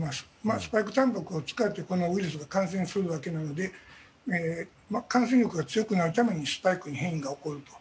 スパイクたんぱくを使ってこのウイルスに感染するわけなので感染力が強くなるためにスパイクに変異が起こると。